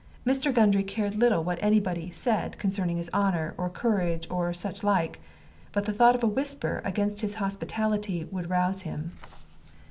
Mr. Gundry cared little what any body said concerning his honor, or courage, or such like; but the thought of a whisper against his hospitality would rouse him.